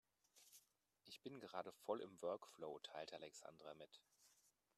Ich bin gerade voll im Workflow, teilte Alexandra mit.